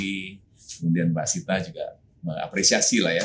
kemudian pak sita juga mengapresiasi